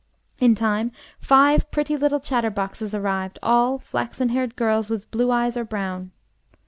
In time five pretty little chatterboxes arrived, all flaxen haired girls with blue eyes, or brown.